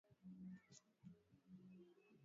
vizuri pia unalala pahali pazuri halafu pasafi